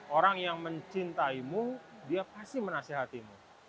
orang yang mencintaimu dia pasti menasehatimu